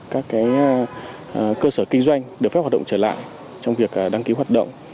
các cơ sở kinh doanh được phép hoạt động trở lại trong việc đăng ký hoạt động